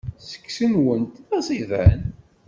Seksu-nwent d aẓidan.